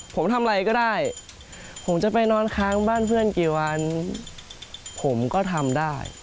ผมทำอะไรก็ได้ผมจะไปนอนค้างบ้านเพื่อนกี่วันผมก็ทำได้